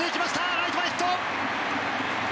ライト前ヒット！